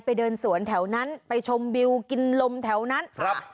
อินเตอร์ไปชมวิวกินลมแถวนั้น